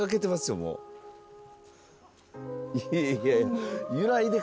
いやいや。